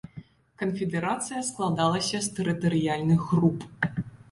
Канфедэрацыя складалася з тэрытарыяльных груп.